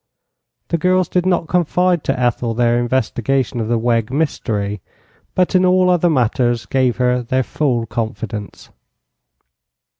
The girls did not confide to Ethel their investigation of the Wegg mystery, but in all other matters gave her their full confidence.